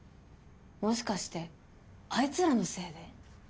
もしかしてあいつらのせいで？